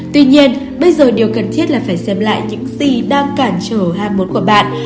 tuy nhiên bây giờ điều cần thiết là phải xem lại những gì đang cản trở hai mối của bạn